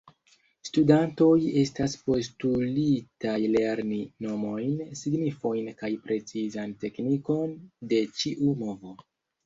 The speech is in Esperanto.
Studantoj estas postulitaj lerni nomojn, signifojn kaj precizan teknikon de ĉiu movo.